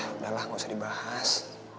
udah lah gak usah dibahas